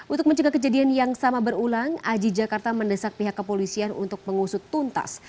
untuk mencegah kejadian yang sama berulang aji jakarta mendesak pihak kepolisian untuk mengusut tuntas